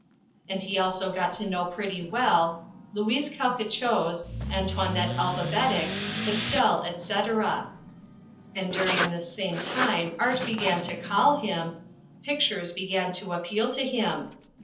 And he also got to know pretty well, Louise Quelquechose, Antoinette Alphabetic, Estelle Etcetera. And during this same time Art began to call him Pictures began to appeal to him.